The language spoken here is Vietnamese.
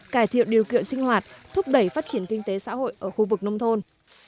cải thiện điều kiện sinh hoạt thúc đẩy phát triển kinh tế xã hội ở khu vực nông thôn